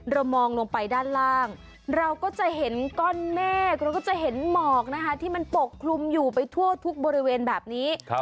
เรามองลงไปด้านล่างเราก็จะเห็นก้อนเมฆเราก็จะเห็นหมอกนะคะที่มันปกคลุมอยู่ไปทั่วทุกบริเวณแบบนี้